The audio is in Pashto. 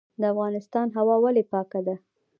د افغانستان هوا ولې پاکه ده؟